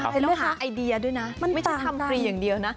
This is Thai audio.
แล้วหาไอเดียด้วยนะมันไม่ใช่ทำฟรีอย่างเดียวนะ